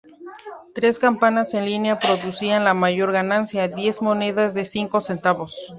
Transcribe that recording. Tres campanas en línea producían la mayor ganancia, diez monedas de cinco centavos.